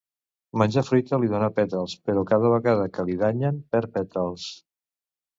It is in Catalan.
Menjar fruita li dóna pètals però cada vegada que li danyen perd pètals.